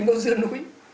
và quả dưa núi